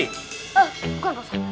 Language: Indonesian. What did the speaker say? eh bukan pak ustadz